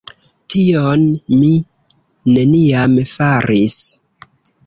Tion mi neniam faris.